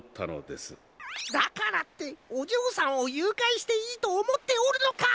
だからっておじょうさんをゆうかいしていいとおもっておるのか！？